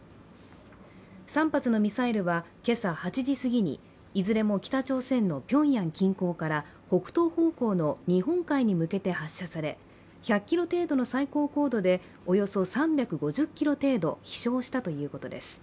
３発のミサイルは今朝８時過ぎにいずれも北朝鮮のピョンヤン近郊から北東方向の日本海に向けて発射され１００ｋｍ程度の最高高度でおよそ３５０ｋｍ程度飛翔したということです。